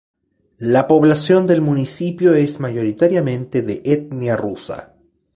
La población del municipio es mayoritariamente de etnia rusa.